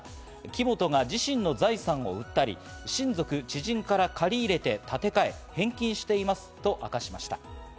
木本が自身の財産を売ったり、親族・知人から借り入れて立て替え、返金していますと明かしました。